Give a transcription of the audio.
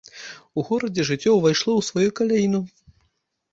У горадзе жыццё ўвайшло ў сваю каляіну.